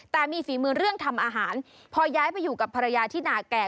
แต่มีฝีมือเรื่องทำอาหารพอย้ายไปอยู่กับภรรยาที่นาแก่